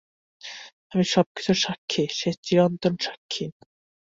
আমি সব কিছুর সাক্ষী, সেই চিরন্তন সাক্ষী।